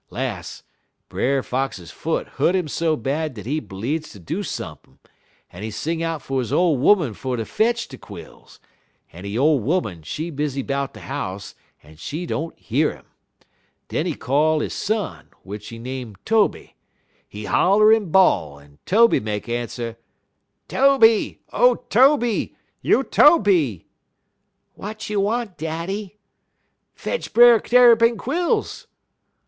Las', Brer Fox foot hu't 'im so bad dat he bleedz ter do sump'n', en he sing out fer his ole 'oman fer ter fetch de quills, but he ole 'oman, she busy 'bout de house, en she don't year 'im. Den he call he son, w'ich he name Tobe. He holler en bawl, en Tobe make answer: "'Tobe! O Tobe! You Tobe!' "'Wat you want, daddy?' "'Fetch Brer Tarrypin quills.'